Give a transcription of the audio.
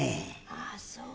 ああそう。